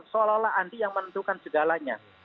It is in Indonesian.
seolah olah andi yang menentukan segalanya